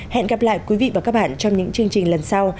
hẹn gặp lại quý vị và các bạn trong những chương trình lần sau